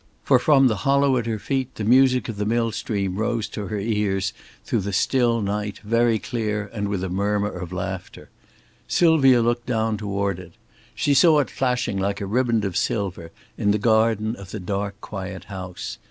For from the hollow at her feet the music of the mill stream rose to her ears through the still night, very clear and with a murmur of laughter. Sylvia looked down toward it. She saw it flashing like a riband of silver in the garden of the dark quiet house.